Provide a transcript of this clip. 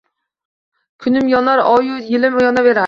Kunim yonar, oyu yilim yonaverar